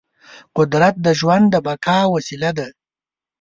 قدرت د ژوند د بقا وسیله ده.